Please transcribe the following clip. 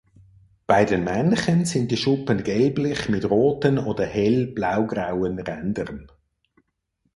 Bei den Männchen sind die Schuppen gelblich mit roten oder hell blaugrauen Rändern.